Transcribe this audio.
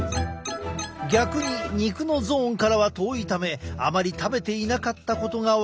逆に肉のゾーンからは遠いためあまり食べていなかったことが分かるのだ。